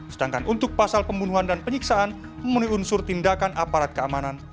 sedangkan untuk pasal pembunuhan dan penyiksaan memenuhi unsur tindakan aparat keamanan